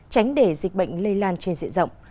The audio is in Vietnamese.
tránh để dịch bệnh lây lan trên dịa rộng